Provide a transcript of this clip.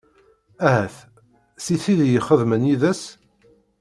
Ahat si tid i ixeddmen yid-s?